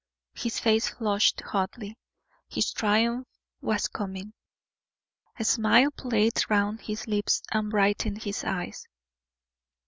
His face flushed hotly; his triumph was coming. A smile played round his lips and brightened his eyes.